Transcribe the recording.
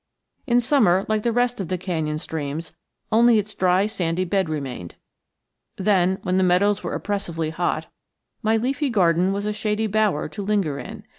In summer, like the rest of the canyon streams, only its dry sandy bed remained. Then, when the meadows were oppressively hot, my leafy garden was a shady bower to linger in.